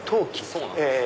そうなんですよ